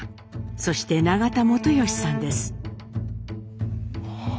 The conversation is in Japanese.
そして永田元良さんです。